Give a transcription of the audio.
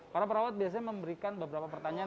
para perawat biasanya memberikan beberapa pertanyaan